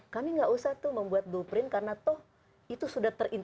kami nggak usah tuh membuat blueprint karena toh itu sudah terinfek